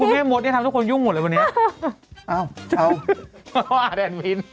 เธอคิดปล่อยแล้วกันนี่ทำทุกคนยุ่งหมดเลยวันนี้